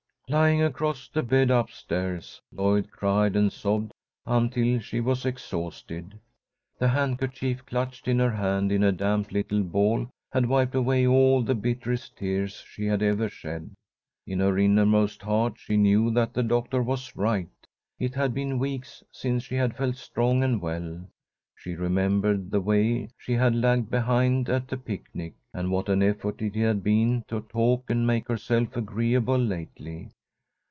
Lying across the bed up stairs, Lloyd cried and sobbed until she was exhausted. The handkerchief clutched in her hand in a damp little ball had wiped away the bitterest tears she had ever shed. In her inmost heart she knew that the doctor was right. It had been weeks since she had felt strong and well. She remembered the way she had lagged behind at the picnic, and what an effort it had been to talk and make herself agreeable lately.